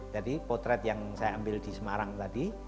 jadi potret yang saya ambil di semarang tadi